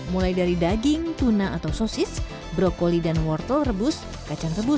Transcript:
mulai dari daging tuna atau sosis brokoli dan wortel rebus kacang rebus